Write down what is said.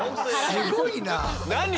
すごいな。